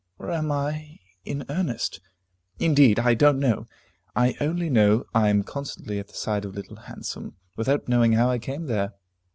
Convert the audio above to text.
Or am I in earnest? Indeed I don't know. I only know I am constantly at the side of Little Handsome, without knowing how I came there.